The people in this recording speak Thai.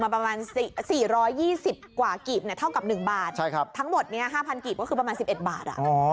๑บาทใช่ครับทั้งหมดเนี้ยห้าพันกิบก็คือประมาณ๑๑บาทอ่ะ